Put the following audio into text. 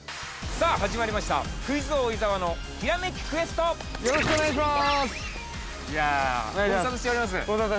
◆さあ始まりました、「クイズ王・伊沢のひらめきクエスト」◆よろしくお願いします。